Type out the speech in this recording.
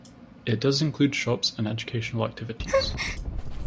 It does include shops and educational activities.